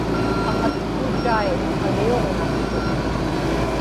aŋatkuutai aliuġnaqtut